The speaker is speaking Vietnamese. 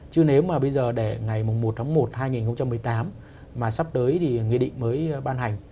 chứ nếu mà bây giờ để ngày một tháng một hai nghìn một mươi tám mà sắp tới thì nghị định mới ban hành